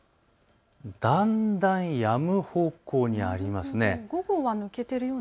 だんだんやむ方向にあります。